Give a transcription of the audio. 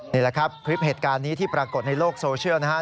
นี่แหละครับคลิปเหตุการณ์นี้ที่ปรากฏในโลกโซเชียลนะครับ